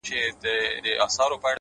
ستا تر ځوانۍ بلا گردان سمه زه؛